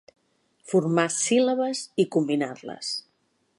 Formar síl·labes i combinar-les.